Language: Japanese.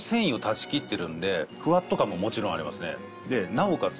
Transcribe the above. ちゃんと。ももちろんありますね。